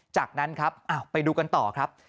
จากนั้นครับไปดูกันต่อครับ